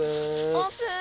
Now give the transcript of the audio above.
オープン。